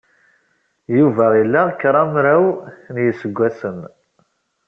Yuba ila kramraw n yiseggasen.